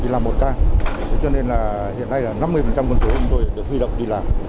chỉ làm một k cho nên là hiện nay là năm mươi phần số chúng tôi được huy động đi làm